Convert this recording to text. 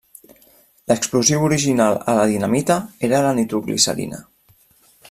L'explosiu original a la dinamita era la nitroglicerina.